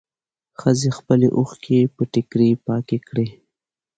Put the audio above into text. ښځې خپلې اوښکې په ټيکري پاکې کړې.